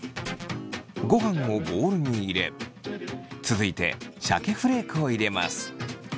ごはんをボウルに入れ続いてシャケフレークを入れます。